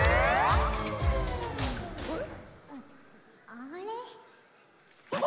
あれ？